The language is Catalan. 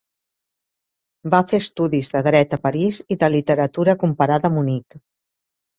Va fer estudis de dret a París i de literatura comparada a Munic.